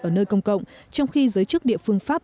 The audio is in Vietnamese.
ở nơi công cộng trong khi giới chức địa phương pháp